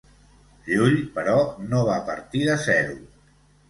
Llull, però, no va partir de zero.